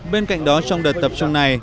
bên cạnh đó trong đợt tập trung này